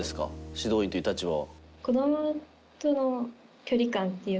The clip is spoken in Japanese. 指導員という立場は。